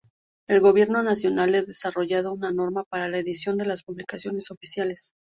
El gobierno nacional ha desarrollado una norma para la edición de las publicaciones oficiales.